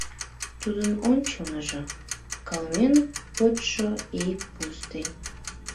Тудын ончылныжо — кылмен вочшо ий пустынь.